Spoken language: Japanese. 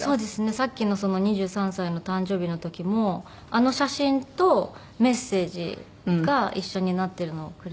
さっきの２３歳の誕生日の時もあの写真とメッセージが一緒になってるのをくれて。